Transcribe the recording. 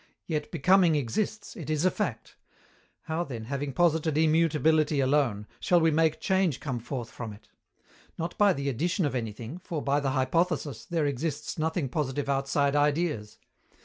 Yet becoming exists: it is a fact. How, then, having posited immutability alone, shall we make change come forth from it? Not by the addition of anything, for, by the hypothesis, there exists nothing positive outside Ideas.